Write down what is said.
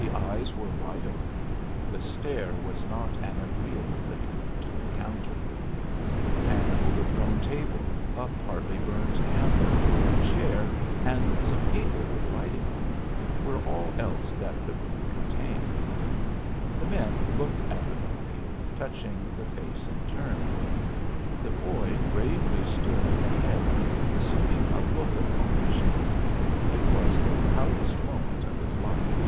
The eyes were wide open; the stare was not an agreeable thing to encounter. The lower jaw had fallen; a little pool of saliva had collected beneath the mouth. An overthrown table, a partly burned candle, a chair and some paper with writing on it were all else that the room contained. The men looked at the body, touching the face in turn. The boy gravely stood at the head, assuming a look of ownership. It was the proudest moment of his life.